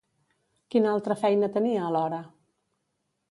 Quina altra feina tenia, alhora?